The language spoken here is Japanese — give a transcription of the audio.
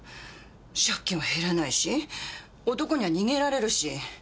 借金は減らないし男には逃げられるし。